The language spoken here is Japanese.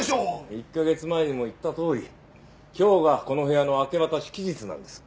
１カ月前にも言ったとおり今日がこの部屋の明け渡し期日なんです。